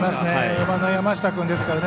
４番の山下君ですからね。